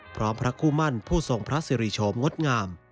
พระคู่มั่นผู้ทรงพระสิริโชมงดงาม